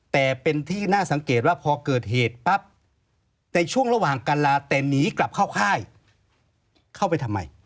แต่เป็นที่น่าสังเกตว่าพอเกิดเหตุปั๊บในช่วงระหว่างการลาแต่หนีกลับเข้าค่ายเข้าไปทำไม